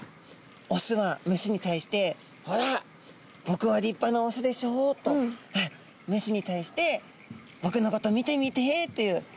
オスはメスに対して「ほら僕は立派なオスでしょう」とメスに対して「僕のこと見てみて」という。